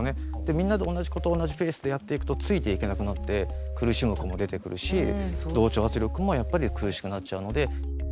みんなで同じこと同じペースでやっていくとついていけなくなって苦しむ子も出てくるし同調圧力もやっぱり苦しくなっちゃうので。